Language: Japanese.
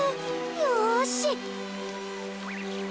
よし！